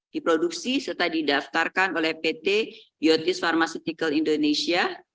diproduksi serta didaftarkan oleh pt biotis pharmaceutical indonesia